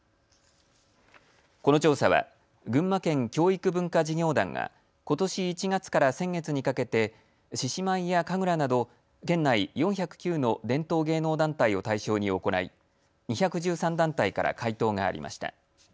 この調査は群馬県教育文化事業団がことし１月から先月にかけて獅子舞や神楽など県内４０９の伝統芸能団体を対象に行い、２１３団体から回答がありました。